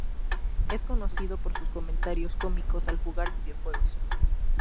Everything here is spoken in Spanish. Es conocido por sus comentarios cómicos al jugar videojuegos.